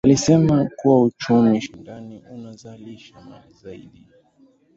Alisema kuwa uchumi shindani unazalisha mali zaidi